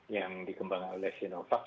yang dikembangkan oleh sinovac